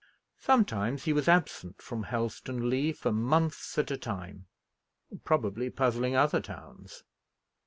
Sometimes he was absent from Helstonleigh for months at a time, probably puzzling other towns.